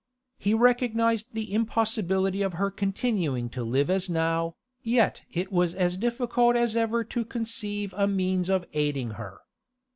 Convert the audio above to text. He recognised the impossibility of her continuing to live as now, yet it was as difficult as ever to conceive a means of aiding her.